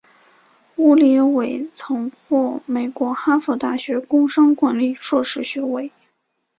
乌里韦曾获美国哈佛大学工商管理硕士学位。